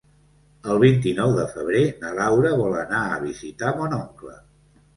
El vint-i-nou de febrer na Laura vol anar a visitar mon oncle.